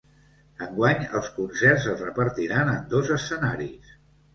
Enguany els concerts es repartiran en dos escenaris.